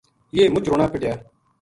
یہ مُچ رُنا پِٹیا